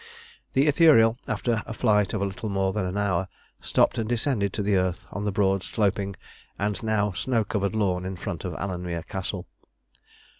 The Ithuriel, after a flight of a little more than an hour, stopped and descended to the earth on the broad, sloping, and now snow covered lawn in front of Alanmere Castle.